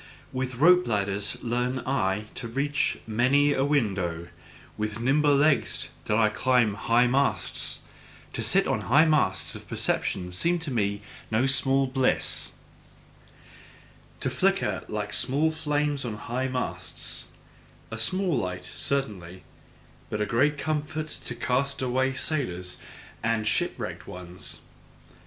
With rope ladders learned I to reach many a window, with nimble legs did I climb high masts: to sit on high masts of perception seemed to me no small bliss; To flicker like small flames on high masts: a small light, certainly, but a great comfort to cast away sailors and ship wrecked ones!